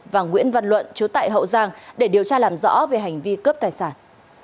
và nguyễn văn luận chú tại hậu giang để điều tra làm rõ về hành vi cướp tài sản